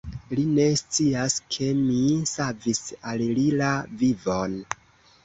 Li ne scias, ke mi savis al li la vivon!